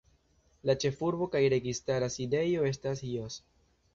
La ĉefurbo kaj registara sidejo estas Jos.